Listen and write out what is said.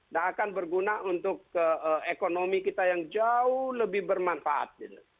dan akan berguna untuk ekonomi kita yang jauh lebih bermanfaat